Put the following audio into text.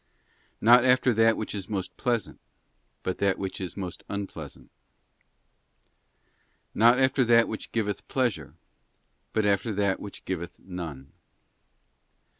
Not after that which is most pleasant, but that which is 1. Joy. most unpleasant. Not after that which giveth pleasure, but after that which giveth none.